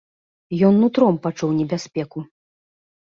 Ён нутром пачуў небяспеку.